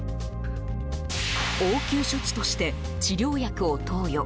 応急処置として治療薬を投与。